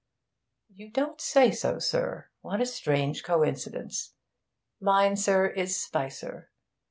'You don't say so, sir! What a strange coincidence! Mine, sir, is Spicer.